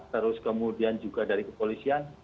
terus kemudian juga dari kepolisian